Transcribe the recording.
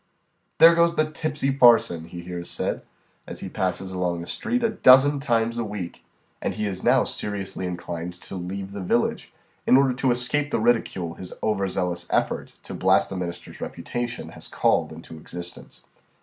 "There goes the 'tipsy parson'" he hears said, as he passes along the street, a dozen times in a week, and he is now seriously inclined to leave the village, in order to escape the ridicule his over zealous effort to blast the minister's reputation has called into existence.